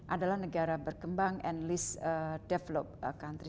adalah negara berkembang dan least developed country